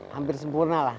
hampir sempurna lah